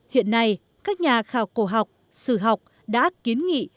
hiện nay các nhà khảo cổ học sử học đã kiến nghị